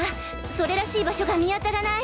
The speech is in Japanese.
それらしい場所が見当たらない。